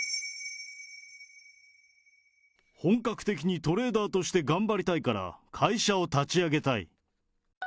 本格的にトレーダーとして頑張りたいから、会社を立ち上げたい。